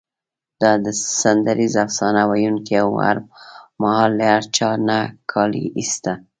دا سندریز افسانه ویونکی او هر مهال له هر چا نه کالي ایسته.